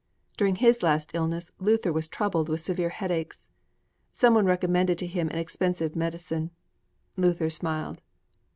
_ During his last illness, Luther was troubled with severe headaches. Someone recommended to him an expensive medicine. Luther smiled.